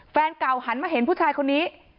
แฟนเก่าหันมาเห็นผู้ชายคนนี้